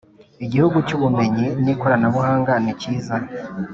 Igihugu cy Ubumenyi n Ikoranabuhanga nikiza